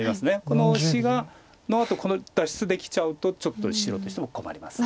このオシのあと脱出できちゃうとちょっと白としても困ります。